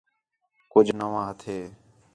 کُج نواں ہتھے